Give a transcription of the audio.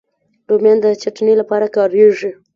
رومیان د چټني لپاره کارېږي